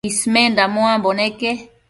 Ismenda muambo neque